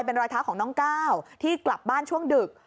เป็นรอยเท้าของน้องก้าวที่กลับบ้านช่วงดึก